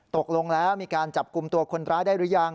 ตกลงแล้วมีการจับกลุ่มตัวคนร้ายได้หรือยัง